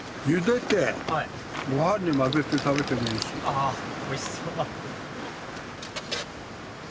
ああおいしそう！